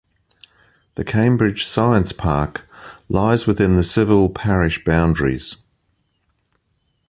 The Cambridge Science Park lies within the civil parish boundaries.